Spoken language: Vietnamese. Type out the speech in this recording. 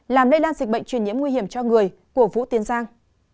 làm lây lan dịch bệnh truyền nhiễm nguy hiểm cho người của vũ tiến giang